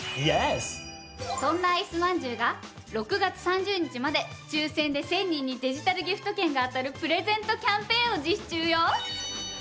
そんなあいすまんじゅうが６月３０日まで抽選で１０００人にデジタルギフト券が当たるプレゼントキャンペーンを実施中よ。